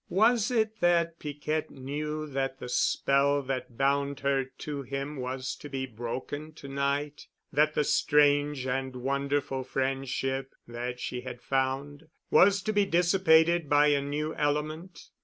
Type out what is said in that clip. Was it that Piquette knew that the spell that bound her to him was to be broken to night, that the strange and wonderful friendship that she had found was to be dissipated by a new element.